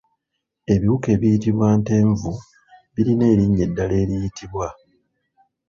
Ebiwuka ebiyitibwa “Ntenvu” birina erinnya eddala eribiyitibwa.